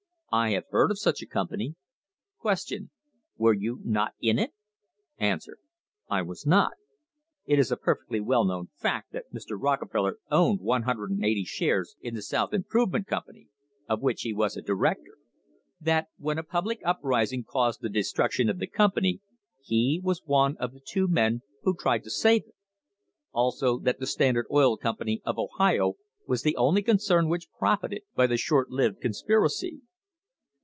I have heard of such a company. Q. Were you not in it ? A. I was not.* It is a perfectly well known fact that Mr. Rockefeller owned 1 80 shares in the South Improvement Company, of which he was a director; that, when a public uprising caused the de struction of the company, he was one of the two men who tried to save it; also that the Standard Oil Company of Ohio was the only concern which profited by the short lived con spiracy.